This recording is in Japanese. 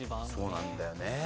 そうなんだよね。